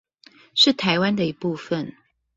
是台灣的一部分